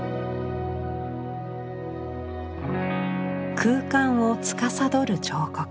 空間をつかさどる彫刻。